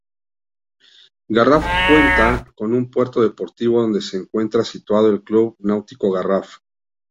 Garraf cuenta con un puerto deportivo donde se encuentra situado el Club Náutico Garraf.